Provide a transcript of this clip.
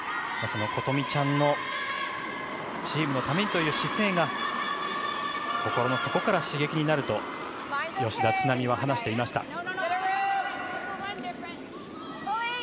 琴美ちゃんのチームのためという姿勢が心の底から刺激になると吉田知那美は話していました。